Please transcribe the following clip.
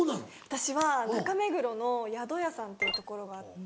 私は中目黒の八堂八さんっていうところがあって。